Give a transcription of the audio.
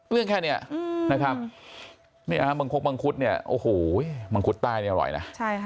เรื่องแค่นี้นะครับมังคุกมังคุดมังคุดตายอร่อยนะ